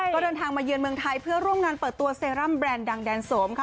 ก็เดินทางมาเยือนเมืองไทยเพื่อร่วมงานเปิดตัวเซรั่มแรนด์ดังแดนโสมค่ะ